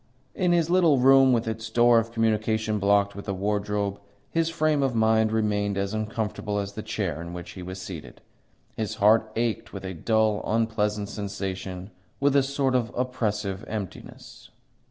In his little room, with its door of communication blocked with a wardrobe, his frame of mind remained as uncomfortable as the chair in which he was seated. His heart ached with a dull, unpleasant sensation, with a sort of oppressive emptiness.